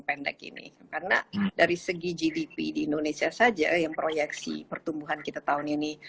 pendek ini karena dari segi gdp di indonesia saja yang proyeksi pertumbuhan kita tahun ini